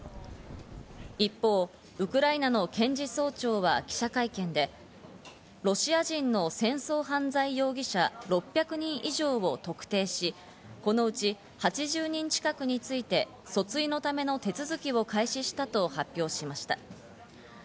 一方、ウクライナの検事総長は記者会見で、ロシア人の戦争犯罪容疑者、６００人以上を特定し、このうち８０人近くについて訴追のための手続きを開始したと発表しました。